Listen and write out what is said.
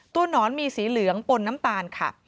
หนอนมีสีเหลืองปนน้ำตาลค่ะ